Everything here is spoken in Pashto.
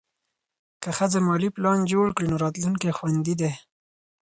که ښځه مالي پلان جوړ کړي، نو راتلونکی خوندي دی.